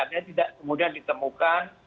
tapi tidak mudah ditemukan